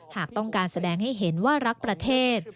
หากต้องการแสดงให้เห็นว่ารักประเทศ